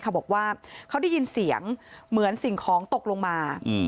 เขาบอกว่าเขาได้ยินเสียงเหมือนสิ่งของตกลงมา